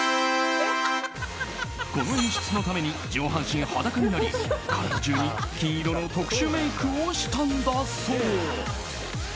この演出のために上半身裸になり体中に金色の特殊メイクをしたんだそう。